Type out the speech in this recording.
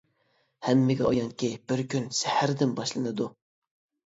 ھەممىگە ئايانكى، بىر كۈن سەھەردىن باشلىنىدۇ.